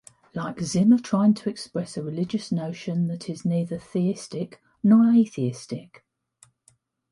Like Zimmer trying to express a religious notion that is neither theistic nor atheistic.